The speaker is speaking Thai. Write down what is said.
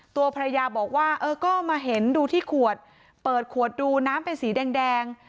ตัวภรรยาบอกว่าเออก็มาเห็นดูที่ขวดเปิดขวดดูน้ำเป็นสีแดง